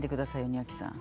庭木さん。